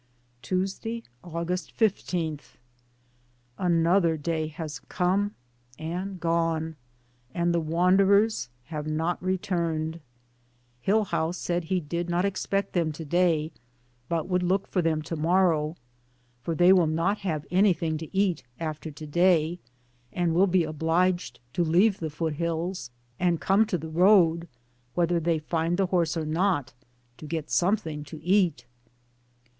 Tuesday, August 15. Another day has come and gone, and the wanderers have not returned. Hillhouse said he did not expect them to day, but would look for them to morrow, for they will not have anything to eat after to day, and will be obliged to leave the foot hills and come to the road, whether they find the horse or not, to get something to eat.